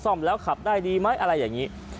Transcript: ซ่อมแล้วขับได้ดีไหมอะไรอย่างนี้